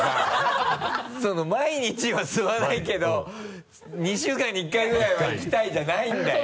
毎日は吸わないけど２週間に１回ぐらいはいきたいじゃないんだよ。